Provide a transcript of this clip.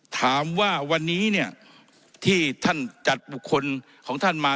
ถามว่าวันนี้เนี่ยที่ท่านจัดบุคคลของท่านมา